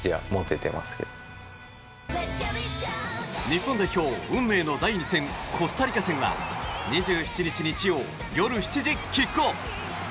日本代表運命の第２戦コスタリカ戦は２７日、日曜夜７時キックオフ。